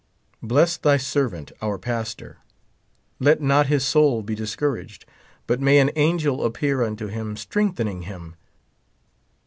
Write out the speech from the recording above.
Bless thy servant, our pastor ; let not his soul be discouraged, but may an angel appear unto him strengthening him.